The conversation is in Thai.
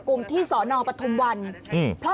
ก็ตอบได้คำเดียวนะครับ